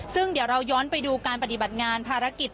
ซึ่งเดี๋ยวเราย้อนไปดูการปฏิบัติงานภารกิจ